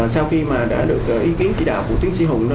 sau khi mà đã được ý kiến chỉ đạo của tiến sĩ hùng